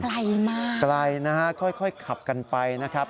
ไกลมากนะครับค่อยขับกันไปนะครับ